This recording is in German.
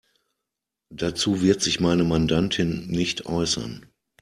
Dazu wird sich meine Mandantin nicht äußern.